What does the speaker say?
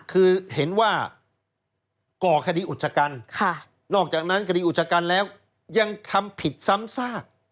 คือเห็นว่าก่อคดีอุจจกรรมนอกจากนั้นคดีอุจจกรรมแล้วยังทำผิดซ้ำซาก